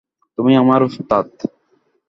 তুমি আমার ওস্তাদ।